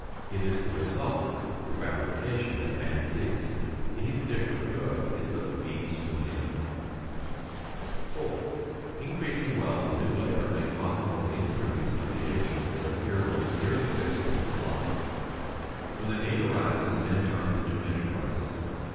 It is the result, the gratification, that man seeks: any particular good is but the means to an end. [Sidenote: Production of land by physical change] 4. Increasing wealth and new labor make possible the increase of the agents that appear most nearly fixed in supply. When the need arises men turn to new enterprises.